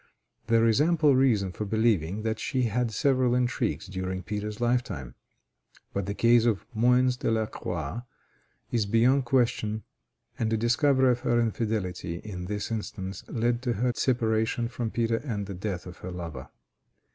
There is ample reason for believing that she had several intrigues during Peter's lifetime, but the case of Moens de la Croix is beyond question, and the discovery of her infidelity in this instance led to her separation from Peter and the death of her lover.